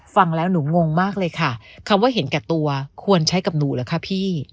ฟังแล้วหนูงงมากเลยค่ะคำว่าเห็นแก่ตัวควรใช้กับหนูเหรอคะพี่